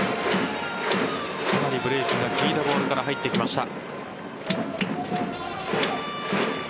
かなりブレーキが利いたボールから入ってきました。